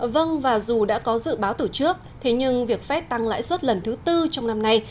vâng và dù đã có dự báo từ trước thế nhưng việc phép tăng lãi suất lần thứ tư trong năm nay